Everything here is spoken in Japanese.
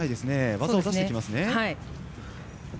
技を出していきますね。